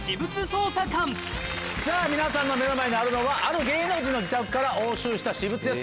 さぁ皆さんの目の前にあるのはある芸能人の自宅から押収した私物です。